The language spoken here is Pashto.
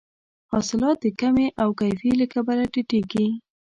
حاصلات د کمې او کیفي له کبله ټیټیږي.